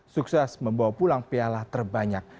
sukses membawa pulang piala terbanyak